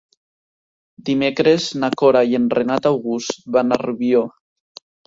Dimecres na Cora i en Renat August van a Rubió.